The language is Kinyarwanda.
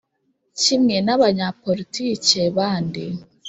kimwe n'abanyapolitike bandi,